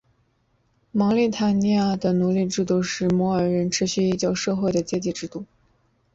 茅利塔尼亚的奴隶制度是摩尔人持续已久社会的阶级制度。